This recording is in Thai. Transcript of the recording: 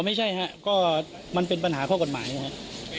อ๋อไม่ใช่ครับก็มันเป็นปัญหาข้อกฎหมายครับครับ